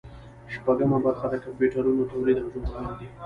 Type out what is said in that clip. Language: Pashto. شپږمه برخه د کمپیوټرونو تولید او جوړول دي.